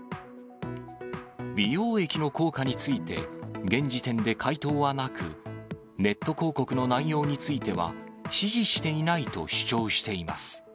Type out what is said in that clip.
美容液の効果について、現時点で回答はなく、ネット広告の内容については、指示していないと主張しています。